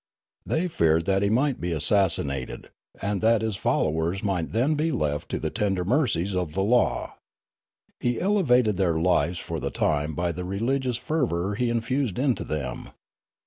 They feared that he might be assassinated, and that his followers might then be left to the tender mercies of the law. He ele vated their lives for the time by the religious fervour he infused into them.